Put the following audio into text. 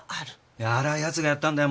いやあれは奴がやったんだよ。